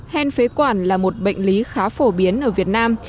hen phế quản là một bệnh lý khá phổ biến ở việt nam